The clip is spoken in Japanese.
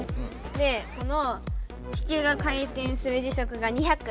でこの「地球が回転する時速」が２００。